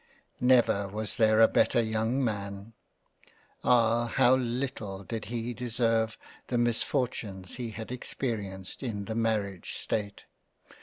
Never was there a better young Man ! Ah ! how little did he deserve the misfortunes he has experienced in the Marriage state.